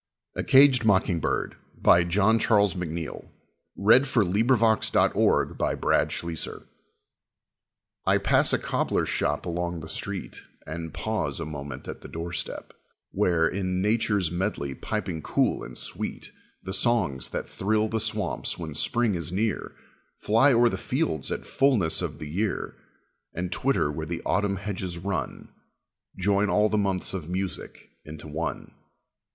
hy dying lips can smile: That goodness is the only creed worth while. A Caged Mocking Bird I pass a cobbler's shop along the street And pause a moment at the door step, where, In nature's medley, piping cool and sweet, The songs that thrill the swamps when spring is near, Fly o'er the fields at fullness of the year, And twitter where the autumn hedges run, Join all the months of music into one.